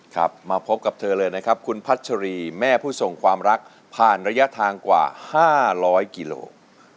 ครับมาพบกับเธอเลยนะครับคุณพัชรีแม่ผู้ส่งความรักผ่านระยะทางกว่า๕๐๐กิโล